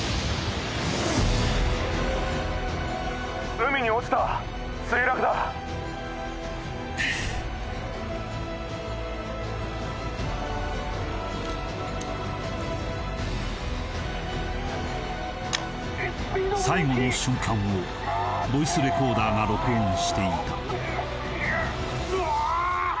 海に落ちた墜落だ最後の瞬間をボイスレコーダーが録音していたうお！